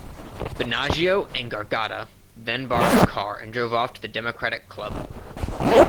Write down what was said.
Binaggio and Gargotta then borrowed a car and drove off to the Democratic Club.